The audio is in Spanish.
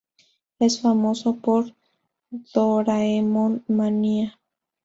Es famoso por Doraemon Mania.